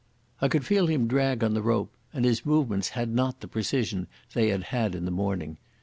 I could feel him drag on the rope, and his movements had not the precision they had had in the morning.